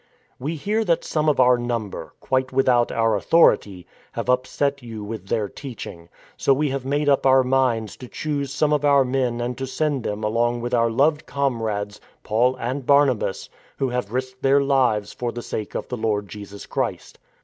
" We hear that some of our number, quite without our authority, have upset you with their teaching; so we have made up our minds to choose some of our men and to send them along with our loved com rades, Paul and Barnabas, who have risked their lives for the sake of our Lord Jesus Christ.